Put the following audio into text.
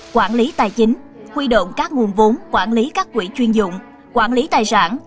quản lý tài chính huy động các nguồn vốn quản lý các quỹ chuyên dụng quản lý tài sản